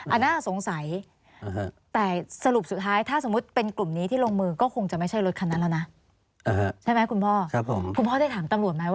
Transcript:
อันนั้นสงสัยแต่สรุปสุดท้าย